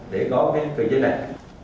để có cái kỳ chế này